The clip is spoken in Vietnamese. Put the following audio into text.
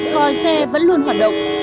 còi xe vẫn luôn hoạt động